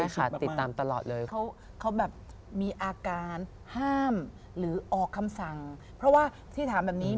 ใช่เรียนแบบนี้เลยเพราะว่าคุณพ่ออยากให้เรียน